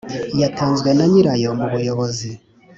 Yatanzwe na nyirayo mu buyobozi.